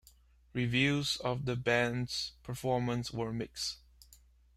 Reviews of the band's performance were mixed.